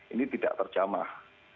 ini tidak terjamah